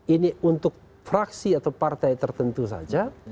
ini untuk fraksi atau partai tertentu saja